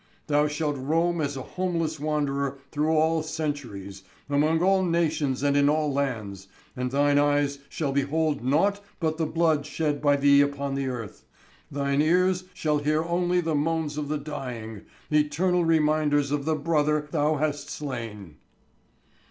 Thou shalt roam as a homeless wanderer through all centuries, among all nations and in all lands, and thine eyes shall behold nought but the blood shed by thee upon the earth, thine ears shall hear only the moans of the dying eternal reminders of the brother thou hast slain.'"